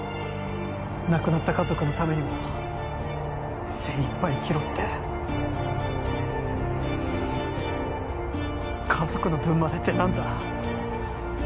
亡くなった家族のためにも精いっぱい生きろって家族の分までって何だ？